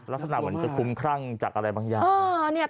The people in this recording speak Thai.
ลักษณะเหมือนจะคุ้มครั่งจากอะไรบางอย่าง